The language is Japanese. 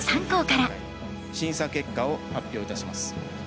審査結果を発表いたします。